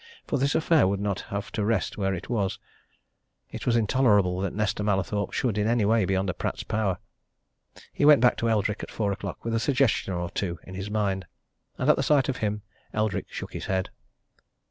For this affair would not have to rest where it was it was intolerable that Nesta Mallathorpe should in any way be under Pratt's power. He went back to Eldrick at four o'clock with a suggestion or two in his mind. And at the sight of him Eldrick shook his head.